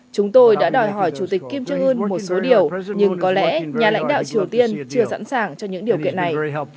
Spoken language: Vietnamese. chúng tôi đã đòi hỏi chủ tịch kim trương ưn một số điều nhưng có lẽ nhà lãnh đạo triều tiên chưa sẵn sàng cho những điều kiện này